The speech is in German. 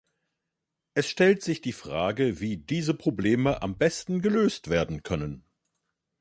Es stellt sich die Frage, wie diese Probleme am besten gelöst werden können.